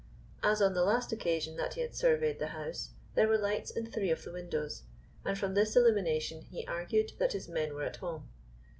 As on the last occasion that he had surveyed the house, there were lights in three of the windows, and from this illumination he argued that his men were at home.